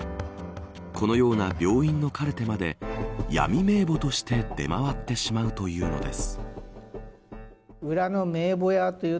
このような病院のカルテまで闇名簿として出回ってしまうというのです。